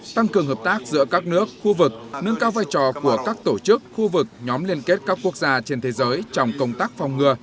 tăng cường hợp tác giữa các nước khu vực nâng cao vai trò của các tổ chức khu vực nhóm liên kết các quốc gia trên thế giới trong công tác phòng ngừa